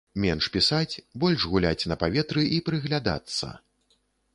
Менш пісаць, больш гуляць на паветры і прыглядацца!